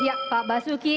ya pak basuki